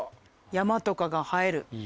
山とかが映える。